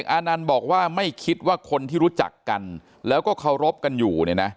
๑๑อานานบอกว่าไม่คิดว่าคนที่รู้จักกันแล้วก็เคารพกันอยู่